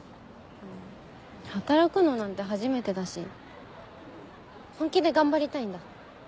働くのなんて初めてだし本気で頑張りたいんだ。